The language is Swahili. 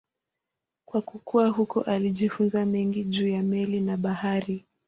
Kwa kukua huko alijifunza mengi juu ya meli na bahari.